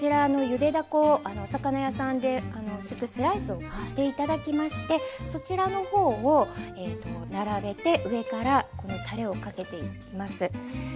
ゆでだこをお魚屋さんで薄くスライスをして頂きましてそちらの方を並べて上からこのたれをかけていきます。